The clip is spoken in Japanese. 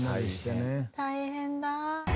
大変だ。